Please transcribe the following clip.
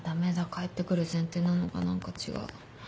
帰ってくる前提なのが何か違う。